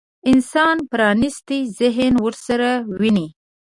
انسان پرانيستي ذهن ورسره وويني.